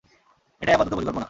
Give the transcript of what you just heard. এটাই আপাতত পরিকল্পনা!